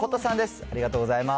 ありがとうございます。